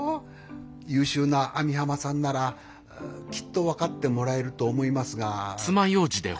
優秀な網浜さんならきっと分かってもらえると思いますが。